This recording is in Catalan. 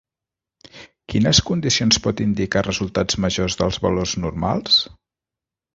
Quines condicions pot indicar resultats majors dels valors normals?